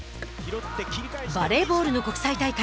バレーボールの国際大会